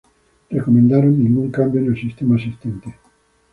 Recomendaron ningún cambio en el sistema existente.